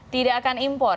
tidak akan impor